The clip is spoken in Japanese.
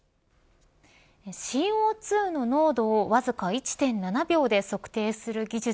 ＣＯ２の濃度をわずか１．７秒で測定する技術。